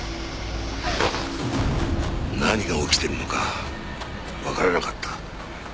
何が起きてるのかわからなかった。